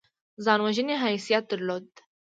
ځان وژنې حیثیت درلود.